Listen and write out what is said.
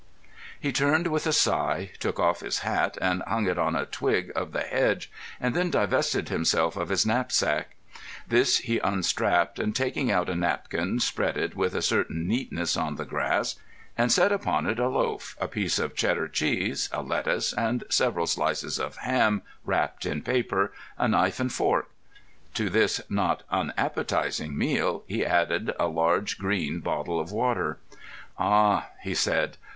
He turned with a sigh, took off his hat and hung it on a twig of the hedge, and then divested himself of his knapsack. This he unstrapped, and, taking out a napkin, spread it with a certain neatness on the grass, and set upon it a loaf, a piece of Cheddar cheese, a lettuce, and several slices of ham wrapped in paper, a knife and fork. To this not unappetising meal he added a large green bottle of water. "Ah!" he said.